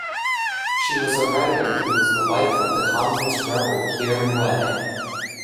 She was a writer who was the wife of the communist rebel Pierre Mulele.